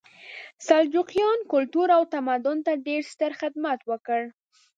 سلجوقیانو کلتور او تمدن ته ډېر ستر خدمت وکړ.